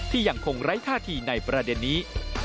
ยังคงไร้ท่าทีในประเด็นนี้